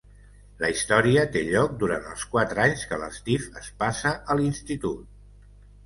La història té lloc durant els quatre anys que l'Steve es passa a l'institut.